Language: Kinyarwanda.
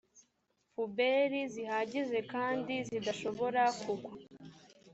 pubeli zihagije kandi zidashobora kugwa